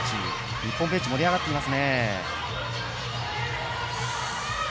日本ベンチ、盛り上がっています。